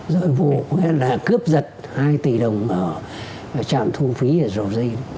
rồi vụ cướp giật hai tỷ đồng ở trạm thu phí ở giàu dinh